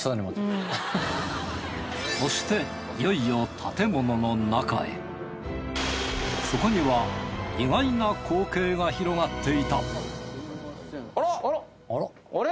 そしていよいよそこには意外な光景が広がっていたあらあれ？